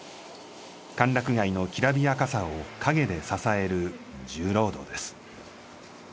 歓楽街のきらびやかさを陰で支える重労働です。